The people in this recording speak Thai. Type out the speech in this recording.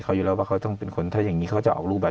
เขาอยู่แล้วว่าเขาต้องเป็นคนถ้าอย่างนี้เขาจะออกรูปแบบ